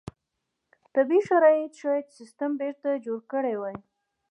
طبیعي شرایط شاید سیستم بېرته جوړ کړی وای.